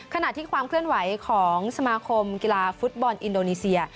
ขณะที่ความเคลื่อนไหวของสมาคมกีฬาฟุตบอลอินโดนีเซีย